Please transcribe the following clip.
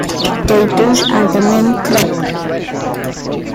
Potatoes are the main crop.